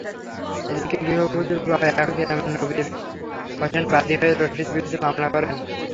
এদিকে গৃহবধূর বাবা একই গ্রামের নবির হোসেন বাদী হয়ে রশিদের বিরুদ্ধে মামলা করেন।